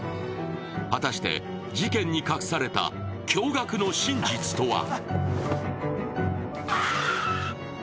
果たして事件に隠された驚愕の真実とは？